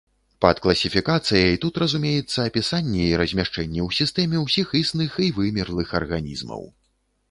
Пад класіфікацыяй тут разумеецца апісанне і размяшчэнне ў сістэме ўсіх існых і вымерлых арганізмаў.